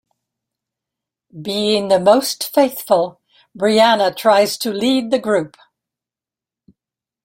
Being the most faithful, Brianna tries to lead the group.